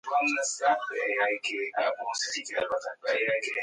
کولمو محور د هضم او دماغ ترمنځ اړیکه ده.